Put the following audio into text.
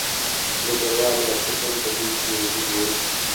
ډګروال لیاخوف هم په دوی کې موجود و